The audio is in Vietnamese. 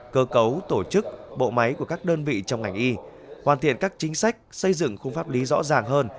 cơ cấu tổ chức bộ máy của các đơn vị trong ngành y hoàn thiện các chính sách xây dựng khung pháp lý rõ ràng hơn